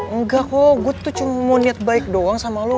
enggak kok gue tuh cuma mau niat baik doang sama lo